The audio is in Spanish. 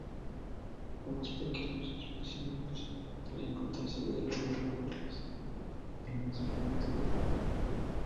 Los más pequeños especímenes pueden encontrarse bajo las rocas en la zona litoral.